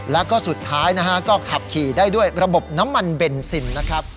แล้วก็สุดท้ายนะฮะก็ขับขี่ได้ด้วยระบบน้ำมันเบนซินนะครับ